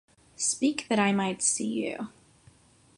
Speak that I might see you!